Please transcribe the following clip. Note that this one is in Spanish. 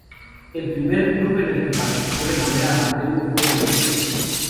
El primer club en el que participó de manera amateur fue el St.